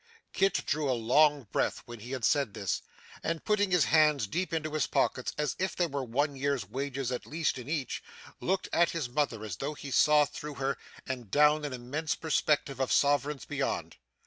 Kit drew a long breath when he had said this, and putting his hands deep into his pockets as if there were one year's wages at least in each, looked at his mother, as though he saw through her, and down an immense perspective of sovereigns beyond.